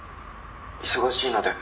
忙しいので」